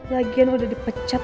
lagian udah dipecat